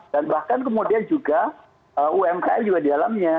dan bahkan kemudian juga umkm juga di dalamnya